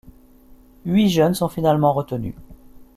Huit jeunes sont finalement retenus.